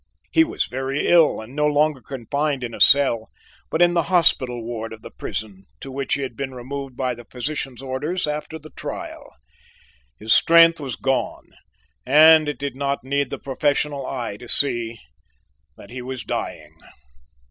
He was very ill, and no longer confined in a cell, but in the hospital ward of the prison to which he had been removed by the physician's orders after the trial. His strength was gone, and it did not need the professional eye to see that he was dying.